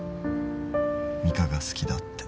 ミカが好きだって。